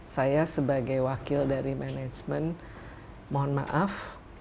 saya sebagai wakil dari manajemen mohon maaf